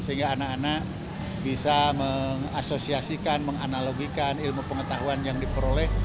sehingga anak anak bisa mengasosiasikan menganalogikan ilmu pengetahuan yang diperoleh